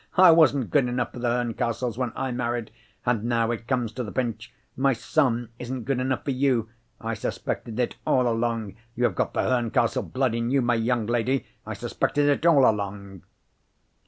I wasn't good enough for the Herncastles, when I married. And now, it comes to the pinch, my son isn't good enough for you. I suspected it, all along. You have got the Herncastle blood in you, my young lady! I suspected it all along."